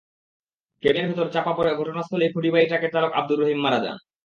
কেবিনের ভেতর চাপা পড়ে ঘটনাস্থলেই খুঁটিবাহী ট্রাকের চালক আবদুর রহিম মারা যান।